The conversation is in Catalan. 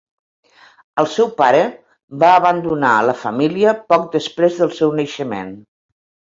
El seu pare va abandonar la família poc després del seu naixement.